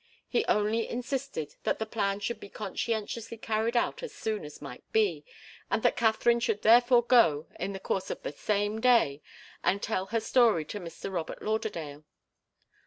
He only insisted that the plan should be conscientiously carried out as soon as might be, and that Katharine should therefore go, in the course of the same day, and tell her story to Mr. Robert Lauderdale.